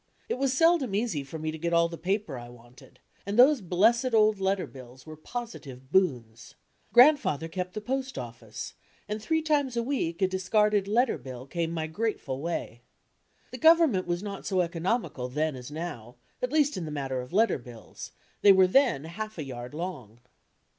It was seldom easy for me to get all the paper I wanted, and those blessed old letter bills were positive boons. Grandfa* ther kept the post office, and three times a week a discarded "letter bill" came my grateful way. The Govenmient was not so economical then as now, at least in tite matter of lecwr bills; they were then half a yard long.